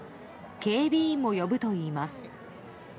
警備員も呼ぶといいます。